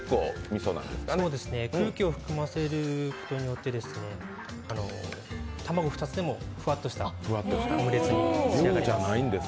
そうですね、空気を含ませることによって、卵２つでもフワッとしたオムレツに仕上がります。